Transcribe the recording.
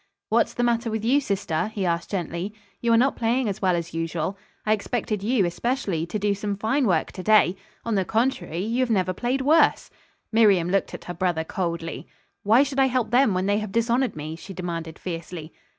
"What's the matter with you, sister?" he asked gently. "You are not playing as well as usual. I expected you, especially, to do some fine work to day. On the contrary, you have never played worse." Miriam looked at her brother coldly. "Why should I help them when they have dishonored me?" she demanded fiercely.